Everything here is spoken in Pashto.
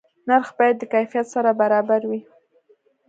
نرخ باید د کیفیت سره برابر وي.